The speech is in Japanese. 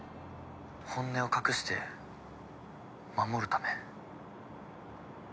「本音を隠して守るため」